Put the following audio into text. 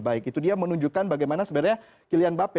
baik itu dia menunjukkan bagaimana sebenarnya pilihan mbappe